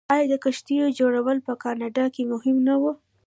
آیا د کښتیو جوړول په کاناډا کې مهم نه و؟